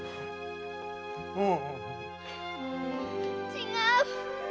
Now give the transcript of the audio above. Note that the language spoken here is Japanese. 違う！